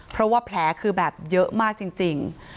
เพราะว่าแผลคือแบบเยอะมากจริง